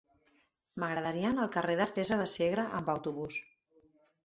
M'agradaria anar al carrer d'Artesa de Segre amb autobús.